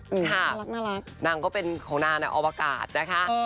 อื้อน่ารักค่ะนางก็เป็นของนางในอวกาศนะคะ